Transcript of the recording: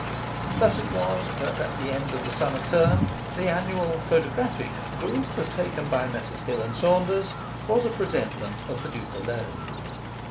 Thus it was that at the end of the summer term the annual photographic "group" taken by Messrs. Hills and Saunders was a presentment of the Duke alone.